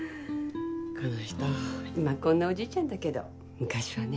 この人今こんなおじいちゃんだけど昔はね